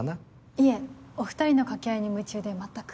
いえお２人の掛け合いに夢中で全く。